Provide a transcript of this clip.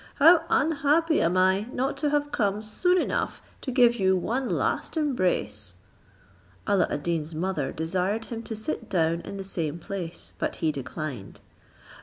How unhappy am I, not to have come soon enough to give you one last embrace." Alla ad Deen's mother desired him to sit down in the same place, but he declined.